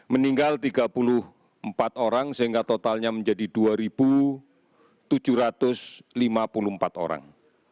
meninggal tiga puluh empat orang sehingga totalnya menjadi dua tujuh ratus lima puluh empat orang